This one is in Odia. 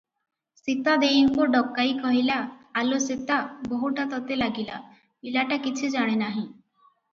ସୀତା ଦେଈଙ୍କୁ ଡକାଇ କହିଲା, "ଆଲୋ ସୀତା, ବୋହୂଟା ତତେ ଲାଗିଲା, ପିଲାଟା କିଛି ଜାଣେ ନାହିଁ ।"